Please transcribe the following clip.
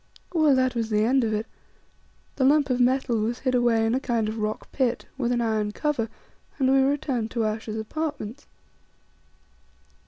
Well, that was the end of it. The lump of metal was hid away in a kind of rock pit, with an iron cover, and we returned to Ayesha's apartments.